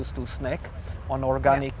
makan makanan organik